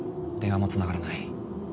電話もつながらない。